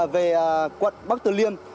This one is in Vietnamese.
về quận bắc từ liên